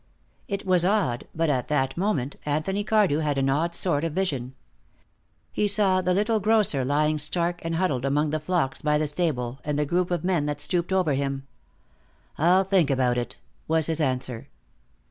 It was odd, but at that moment Anthony Cardew had an odd sort of vision. He saw the little grocer lying stark and huddled among the phlox by the stable, and the group of men that stooped over him. "I'll think about it," was his answer.